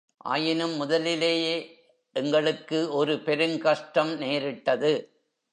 ஆயினும் முதலிலேயே எங்களுக்கு ஒரு பெருங்கஷ்டம் நேரிட்டது.